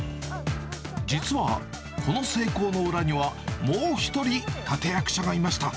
実はこの成功の裏には、もう１人、立て役者がいました。